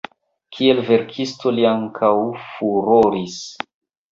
Kiel verkisto li ankaŭ furoris.